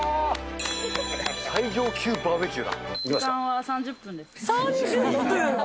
最上級バーベキューだ。